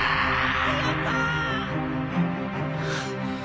やったー！